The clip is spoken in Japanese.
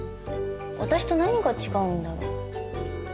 私と何が違うんだろう。